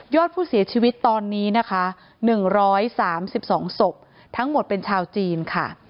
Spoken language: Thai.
อดผู้เสียชีวิตตอนนี้นะคะ๑๓๒ศพทั้งหมดเป็นชาวจีนค่ะ